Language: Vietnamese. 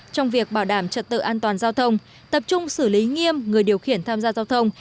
trong việc bảo đảm trật tự an toàn giao thông tập trung xử lý nghiêm người điều khiển tham gia giao thông